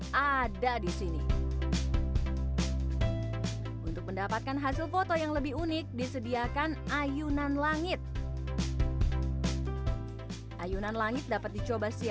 harness dikaitkan dengan sling posisi punggung pun disangka oleh tali